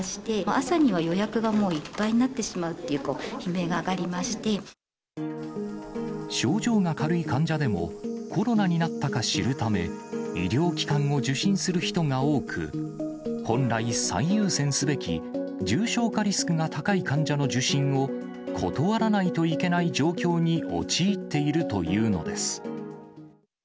朝には予約がもういっぱいになってしまうという、悲鳴が上がりま症状が軽い患者でも、コロナになったか知るため、医療機関を受診する人が多く、本来、最優先すべき重症化リスクが高い患者の受診を断らないといけない状況に陥っているというのです。